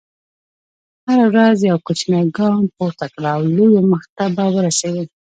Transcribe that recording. هره ورځ یو کوچنی ګام پورته کړه، لویو موخو ته به ورسېږې.